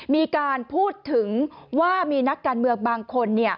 มีการพูดถึงว่ามีนักการเมืองบางคน